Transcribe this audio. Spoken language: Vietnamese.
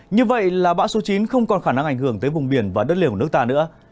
như vậy là bão số chín không còn khả năng ảnh hưởng tới vùng biển và đất liền của nước ta nữa